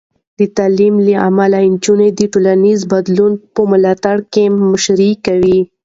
د تعلیم له امله، نجونې د ټولنیزو بدلونونو په ملاتړ کې مشري کوي.